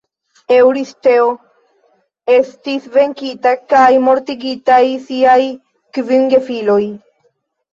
Eŭristeo estis venkita kaj mortigitaj siaj kvin gefiloj.